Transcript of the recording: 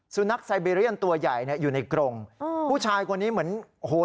ไซเบเรียนตัวใหญ่เนี่ยอยู่ในกรงผู้ชายคนนี้เหมือนโอ้โห